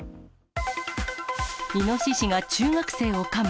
イノシシが中学生をかむ。